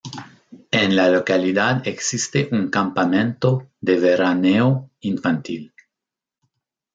En la localidad existe un campamento de veraneo infantil.